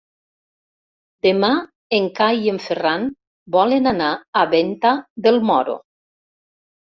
Demà en Cai i en Ferran volen anar a Venta del Moro.